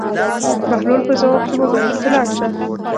بهلول په ځواب کې وویل: ته لاړ شه.